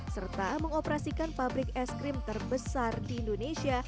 serta mengoperasikan pabrik es krim terbesar di indonesia